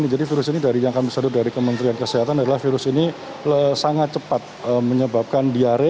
jadi virus ini yang kami sadut dari kementerian kesehatan adalah virus ini sangat cepat menyebabkan diare